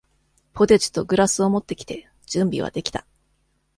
ポテチとグラスを持ってきて、準備はできた。